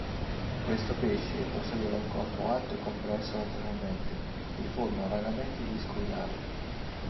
Questo pesce possedeva un corpo alto e compresso lateralmente, di forma vagamente discoidale.